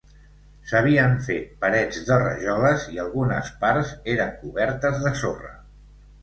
S'havien fet parets de rajoles i algunes parts eren cobertes de sorra.